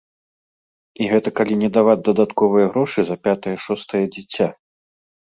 І гэта калі не даваць дадатковыя грошы за пятае-шостае дзіця.